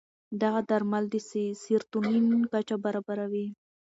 دغه درمل د سیروتونین کچه برابروي.